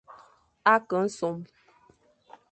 A ke nsom.